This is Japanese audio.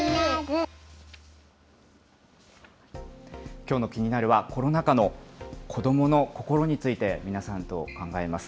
きょうのキニナル！は、コロナ禍の子どもの心について、皆さんと考えます。